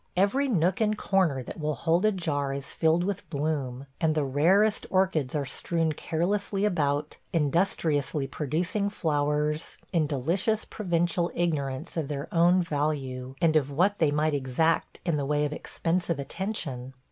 Every nook and corner that will hold a jar is filled with bloom, and the rarest orchids are strewn carelessly about, industriously producing flowers, in delicious provincial ignorance of their own value and of what they might exact in the way of expensive attention.